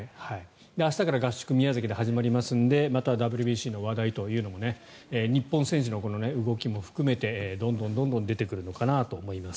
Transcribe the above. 明日から合宿が宮崎で始まりますのでまたＷＢＣの話題というのも日本選手の動きも含めてどんどん出てくるのかなと思います。